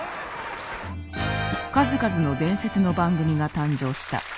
数々の伝説の番組が誕生した。